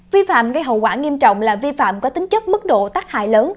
vi phạm gây hậu quả nghiêm trọng là vi phạm có tính chất mức độ tác hại lớn